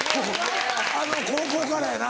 あの高校からやな。